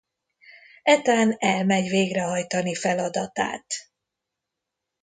Ethan elmegy végrehajtani feladatát.